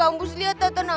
anugerahnya juga steve